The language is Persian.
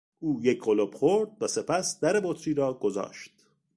او یک قلپ خورد و سپس در بطری را گذاشت.